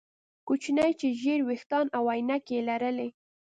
کوچنی چې ژیړ ویښتان او عینکې یې لرلې